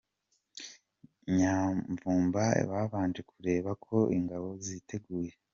Nyamvumba babanje kureba ko Ingabo ziteguye.